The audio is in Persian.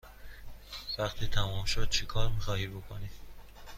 وقتی تمام شد چکار می خواهی بکنی؟